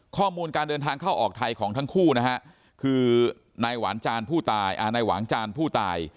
ข้อมูลการเดินทางเข้าออกไทยของทั้งคู่นะฮะคือนายหวานจานผู้ตาย